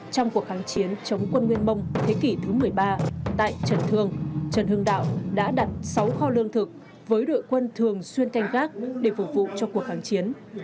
trong cuộc kháng chiến chống quân nguyên mông thế kỷ thứ một mươi ba tại trần thương trần hưng đạo đã đặt sáu kho lương thực với đội quân thường xuyên canh gác để phục vụ cho cuộc kháng chiến